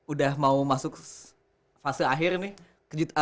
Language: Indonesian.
udah mau masuk fase akhir nih